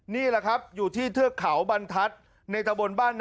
นี่แหละครับอยู่ที่เทือกเขาบรรทัศน์ในตะบนบ้าน